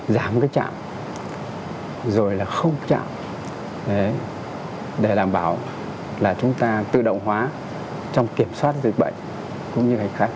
giảm cái chạm rồi là không chạm để đảm bảo là chúng ta tự động hóa trong kiểm soát dịch bệnh